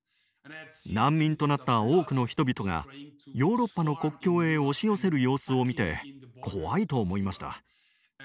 難民となった多くの人々がヨーロッパの国境へ押し寄せる様子を見て怖いと思いました。